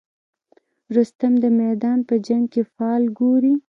رستم د جنګ په میدان کې فال ګوري.